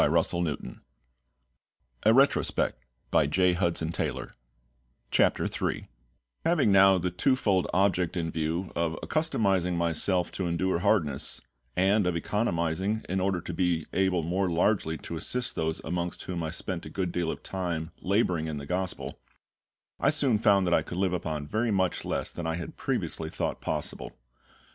CHAPTER III PREPARATION FOR SERVICE HAVING now the twofold object in view of accustoming myself to endure hardness, and of economising in order to be able more largely to assist those amongst whom I spent a good deal of time labouring in the Gospel, I soon found that I could live upon very much less than I had previously thought possible.